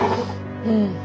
うん。